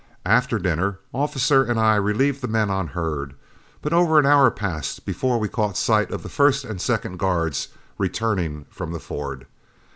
After dinner, Officer and I relieved the men on herd, but over an hour passed before we caught sight of the first and second guards returning from the Ford.